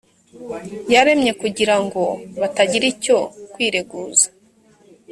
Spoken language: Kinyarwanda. yaremye kugira ngo batagira icyo kwireguza